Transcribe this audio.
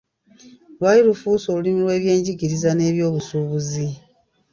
Lwali lufuuse olulimi lw'ebyenjigiriza n'ebyobusuubuzi.